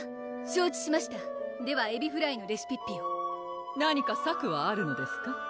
承知しましたではエビフライのレシピッピを何か策はあるのですか？